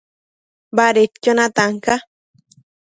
Badedquio natan ca